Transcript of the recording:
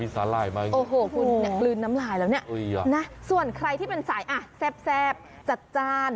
ส่วนใครที่เป็นสายแซ่บจัดจาน